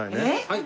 はい。